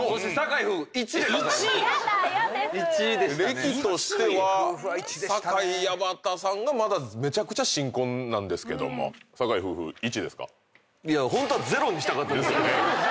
歴としては酒井・矢端さんがまだめちゃくちゃ新婚なんですけども。ですよね。